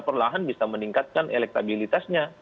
perlahan bisa meningkatkan elektabilitasnya